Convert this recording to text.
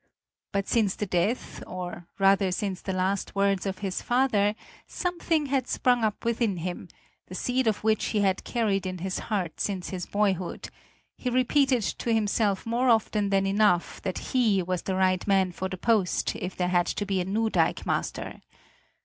But since the death, or rather, since the last words of his father, something had sprung up within him, the seed of which he had carried in his heart since his boyhood; he repeated to himself more often than enough that he was the right man for the post if there had to be a new dikemaster.